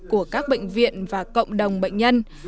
của các bệnh viện và cộng đồng bệnh nhân